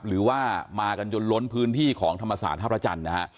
หรือว่ามากันจนล้นพื้นที่ของธรรมศาสตร์ท่าพระจันทร์นะฮะ